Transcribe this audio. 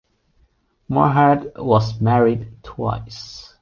Morehead was married twice.